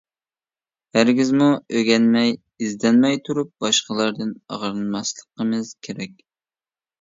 ھەرگىزمۇ ئۆگەنمەي، ئىزدەنمەي تۇرۇپ باشقىلاردىن ئاغرىنماسلىقىمىز كېرەك.